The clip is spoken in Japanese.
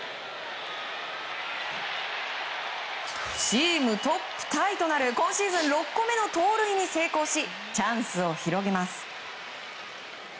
チームトップタイとなる今シーズン６個目の盗塁に成功しチャンスを広げます。